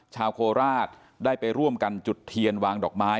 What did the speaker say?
โคราชได้ไปร่วมกันจุดเทียนวางดอกไม้